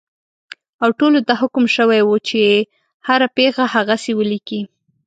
او ټولو ته حکم شوی وو چې هره پېښه هغسې ولیکي.